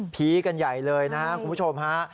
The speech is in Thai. ผีกันใหญ่เลยนะครับคุณผู้ชมฮะ